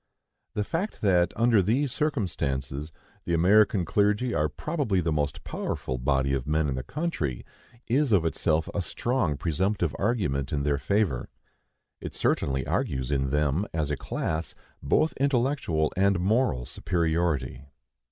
The fact that, under these circumstances, the American clergy are probably the most powerful body of men in the country, is of itself a strong presumptive argument in their favor. It certainly argues in them, as a class, both intellectual and moral superiority.